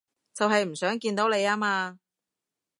就係唔想見到你吖嘛